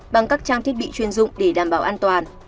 bằng các trang thiết bị chuyên dụng để đảm bảo an toàn